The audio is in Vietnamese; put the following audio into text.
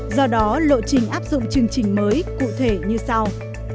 do đó lộ trình áp dụng chương trình mới cụ thể như sau